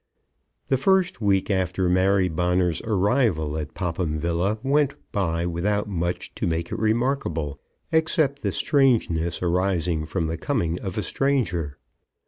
The first week after Mary Bonner's arrival at Popham Villa went by without much to make it remarkable, except the strangeness arising from the coming of a stranger.